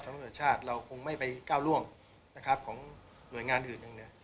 สำหรับหน่วยชาติเราคงไม่ไปก้าวร่วงนะครับของหน่วยงานอื่นอย่างนี้